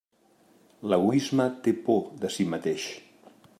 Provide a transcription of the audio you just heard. L'egoisme té por de si mateix.